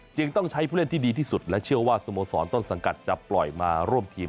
ต้องใช้ผู้เล่นที่ดีที่สุดและเชื่อว่าสโมสรต้นสังกัดจะปล่อยมาร่วมทีม